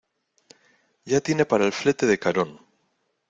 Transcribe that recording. ¡ ya tiene para el flete de Carón!...